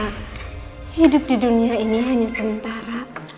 karena hidup di dunia ini hanya sementara